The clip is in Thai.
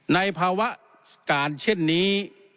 ในภาวะการเช่นนี้